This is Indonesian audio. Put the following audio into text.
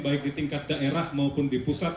baik di tingkat daerah maupun di pusat